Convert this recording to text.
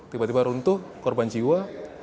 tiba tiba runtuh korban jiwa